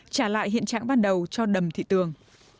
trả lại hiện trạng ban đầu cho đầm thị tường